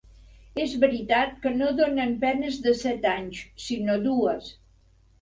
És veritat que no donen penes de set anys, sinó dues.